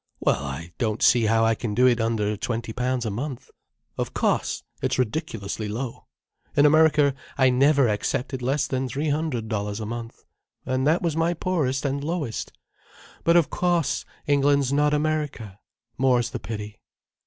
"Well, I don't see how I can do it under twenty pounds a month. Of course it's ridiculously low. In America I never accepted less than three hundred dollars a month, and that was my poorest and lowest. But of cauce, England's not America—more's the pity."